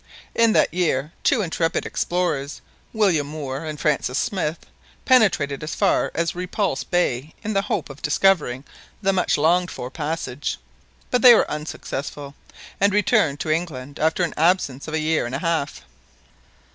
In that year two intrepid explorers, William Moor and Francis Smith, penetrated as far as Repulse Bay in the hope of discovering the much longed for passage. But they were unsuccessful, and returned to England after an absence of a year and a half."